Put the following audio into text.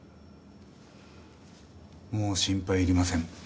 もう心配いりません。